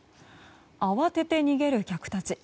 慌てて逃げる客たち。